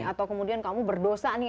atau kemudian kamu berdosa nih